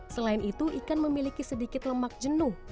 selain itu ikan memiliki sedikit lemak jenuh